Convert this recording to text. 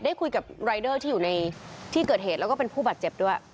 ได้คุยกับรายเดอร์ที่อยู่ในที่เกิดเหตุแล้วก็เป็นผู้บาดเจ็บด้วย